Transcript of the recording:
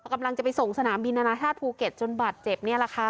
กำลังจะไปส่งสนามบินอนาชาติภูเก็ตจนบาดเจ็บนี่แหละค่ะ